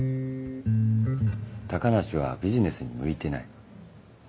高梨はビジネスに向いてない。